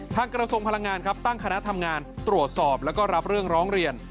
กระทรวงพลังงานครับตั้งคณะทำงานตรวจสอบแล้วก็รับเรื่องร้องเรียน